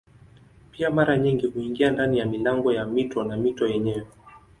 Pia mara nyingi huingia ndani ya milango ya mito na mito yenyewe.